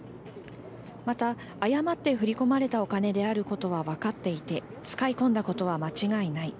また誤って振り込まれたお金であることは分かっていて使い込んだことは間違いない